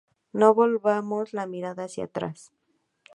No volvamos la mirada hacia atrás.